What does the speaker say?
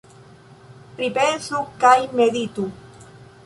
Pripensu kaj meditu.